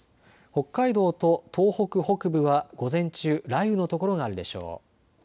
北海道と東北北部は午前中、雷雨の所があるでしょう。